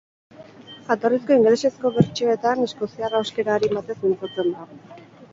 Jatorrizko ingelesezko bertsioetan eskoziar ahoskera arin batez mintzatzen da.